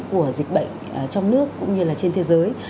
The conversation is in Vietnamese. của dịch bệnh trong nước cũng như là trên thế giới